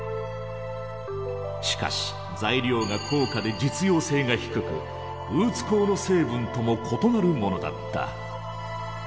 しかし材料が高価で実用性が低くウーツ鋼の成分とも異なるものだった。